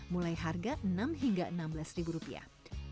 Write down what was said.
mulai harga enam hingga enam belas ribu rupiah